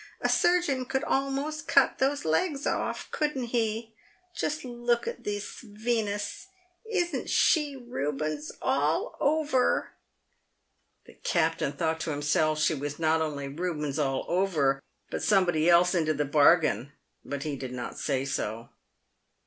A surgeon could almost cut those legs off! — couldn't he ? Just look at this Yenus. Isn't she Eubens all over ?" The captain thought to himself she was not only Eubens all over, but somebody else into the bargain, but he did not say so.